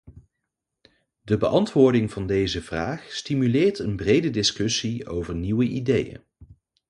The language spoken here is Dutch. De beantwoording van deze vraag stimuleert een brede discussie over nieuwe ideeën.